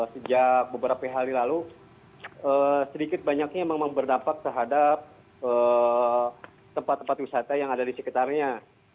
sejak beberapa hari lalu sedikit banyaknya memang berdampak terhadap tempat tempat wisata yang ada di sekitarnya